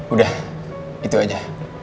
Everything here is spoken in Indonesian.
udah itu aja